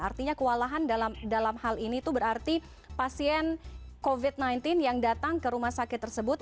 artinya kewalahan dalam hal ini itu berarti pasien covid sembilan belas yang datang ke rumah sakit tersebut